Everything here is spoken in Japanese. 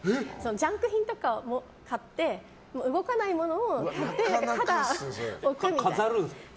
ジャンク品とかを買って動かないものを買って飾るんですか？